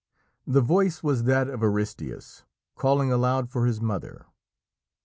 The voice was that of Aristæus, calling aloud for his mother.